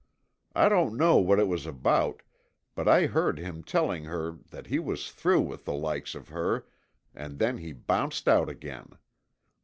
I don't know what it was about, but I heard him telling her that he was through with the likes of her, and then he bounced out again.